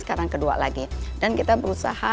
sekarang kedua lagi dan kita berusaha